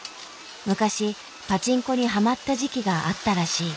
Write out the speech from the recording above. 昔パチンコにハマった時期があったらしい。